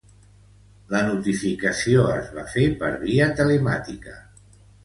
La notificació es fa per via telemàtica.